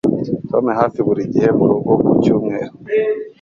Tom hafi buri gihe murugo ku cyumweru